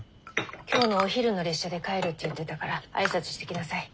今日のお昼の列車で帰るって言ってたから挨拶してきなさい。